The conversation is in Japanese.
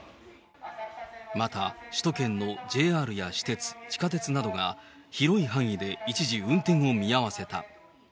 また首都圏のＪＲや私鉄、地下鉄などが、広い範囲で一時運転を見合わせた。